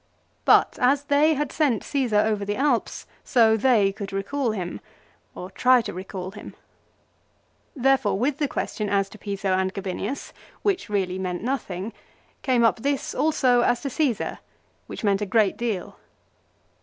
But as they had sent Caesar over the Alps so they could recall him, or try to recall him. HIS RETURN FROM EXILE. 31 Therefore with the question as to Piso and Gabinius, which really meant nothing, came up this also as to^ Csesar, which meant a great deal.